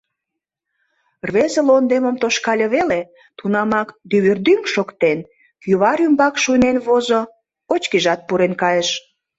Рвезе лондемым тошкале веле, тунамак, дӱвырдӱҥ! шоктен, кӱвар ӱмбак шуйнен возо, очкижат пурен кайыш.